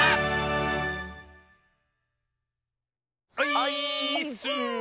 オイーッス！